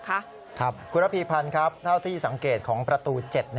ครับคุณระพีพันธ์ครับเท่าที่สังเกตของประตู๗